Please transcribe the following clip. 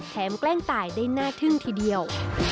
แกล้งตายได้น่าทึ่งทีเดียว